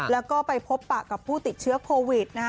แล้วก็ไปพบปากกับผู้ติดเชื้อโพวิด